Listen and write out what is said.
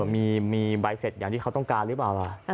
มีใบเสร็จอย่างที่เขาต้องการหรือเปล่าล่ะ